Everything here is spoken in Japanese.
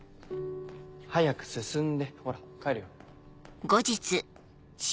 早く進んでほら帰るよ。